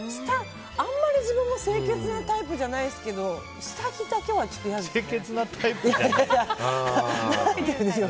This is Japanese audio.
あんまり自分も清潔なタイプじゃないですけど清潔なタイプじゃない。